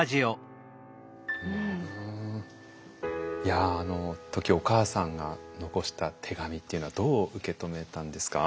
いやあの時お母さんが残した手紙っていうのはどう受け止めたんですか？